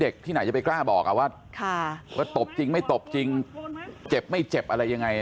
ที่ไหนจะไปกล้าบอกว่าว่าตบจริงไม่ตบจริงเจ็บไม่เจ็บอะไรยังไง